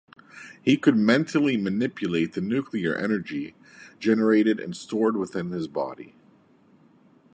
He could mentally manipulate the nuclear energy generated and stored within his body.